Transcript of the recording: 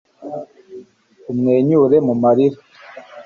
umwenyure mu marira